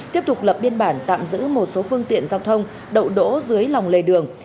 tiếp tục lập biên bản tạm giữ một số phương tiện giao thông đậu đỗ dưới lòng lề đường